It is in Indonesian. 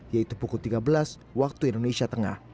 yaitu pukul tiga belas waktu indonesia tengah